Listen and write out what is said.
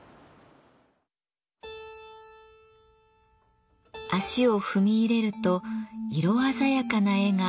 足を踏み入れると色鮮やかな絵が一面に広がります。